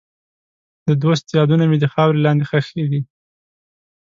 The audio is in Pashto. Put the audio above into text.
د دوست یادونه مې د خاورې لاندې ښخې دي.